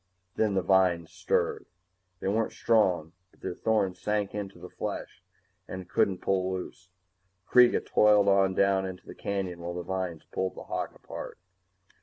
Then the vines stirred. They weren't strong, but their thorns sank into the flesh and it couldn't pull loose. Kreega toiled on down into the canyon while the vines pulled the hawk apart.